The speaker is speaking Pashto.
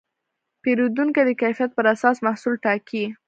پیرودونکي د کیفیت پر اساس محصول ټاکي.